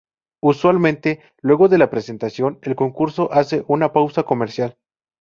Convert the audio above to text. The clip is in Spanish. Usualmente luego de la presentación, el concurso hace una pausa comercial.